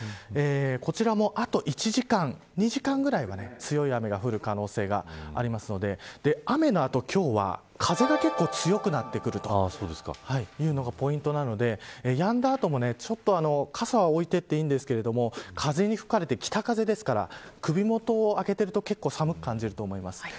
こちらもあと１時間、２時間ぐらいは強い雨が降る可能性があるので雨の後、今日は風が結構強くなってくるというのがポイントなのでやんだ後も傘は置いていっていいんですが風に吹かれて北風ですから首元を開けていると結構寒く感じると思います。